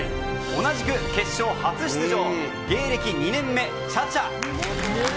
同じく決勝初出場、芸歴２年目の茶々。